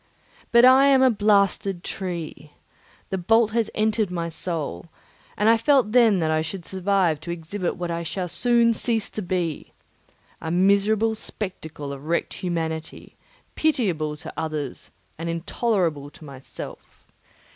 But I am a blasted tree; the bolt has entered my soul; and I felt then that I should survive to exhibit what I shall soon cease to be—a miserable spectacle of wrecked humanity, pitiable to others and intolerable to myself.